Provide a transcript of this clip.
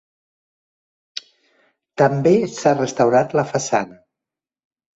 També s'ha restaurat la façana.